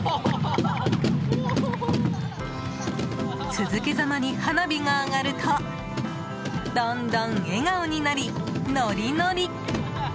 続けざまに花火が上がるとどんどん笑顔になりノリノリ！